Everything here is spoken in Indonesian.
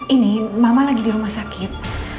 ini mama lagi di rumah sakit